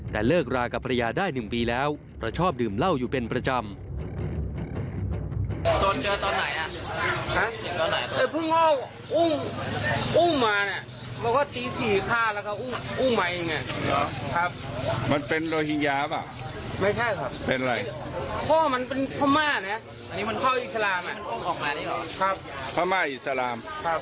แต่เลิกรากับภรรยาได้๑ปีแล้วเพราะชอบดื่มเหล้าอยู่เป็นประจำ